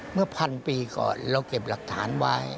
เหมือนเพียรหภันธ์ปีก่อนเราเก็บหลักฐานไว้